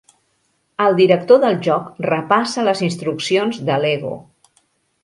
El director del joc repassa les instruccions de L'Ego.